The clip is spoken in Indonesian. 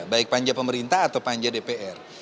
baik panja pemerintah atau panja dpr